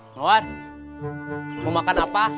ngawar mau makan apa